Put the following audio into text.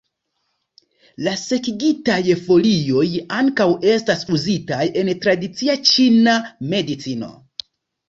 La sekigitaj folioj ankaŭ estas uzitaj en tradicia ĉina medicino.